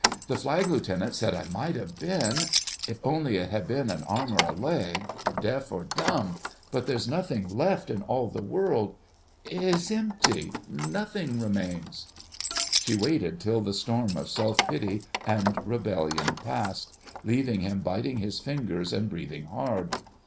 The Flag Lieutenant said I might have been ... if only it had been an arm or a leg—deaf or dumb ... but there's nothing left in all the world ... it's empty—nothing remains." She waited till the storms of self pity and rebellion passed, leaving him biting his fingers and breathing hard.